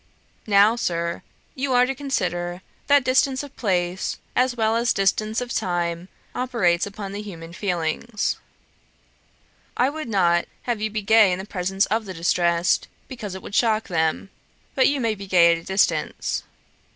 Now, Sir, you are to consider, that distance of place, as well as distance of time, operates upon the human feelings. I would not have you be gay in the presence of the distressed, because it would shock them; but you may be gay at a distance.